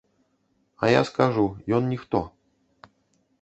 А я скажу, ён ніхто.